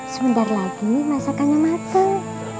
sebentar lagi masakannya matang